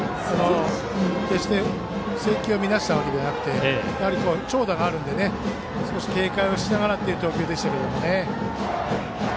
決して制球を乱したわけではなくて長打があるので警戒しながらという投球でしたね。